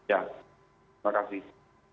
ya terima kasih